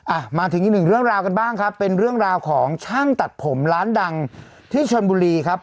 อ่ะมาถึงอีกหนึ่งเรื่องราวกันบ้างครับเป็นเรื่องราวของช่างตัดผมร้านดังที่ชนบุรีครับ